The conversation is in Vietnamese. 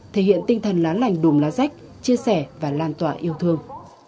thể hiện tinh thần lá lành đùm lá rách chia sẻ và lan tỏa yêu thương